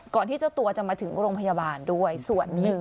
ที่เจ้าตัวจะมาถึงโรงพยาบาลด้วยส่วนหนึ่ง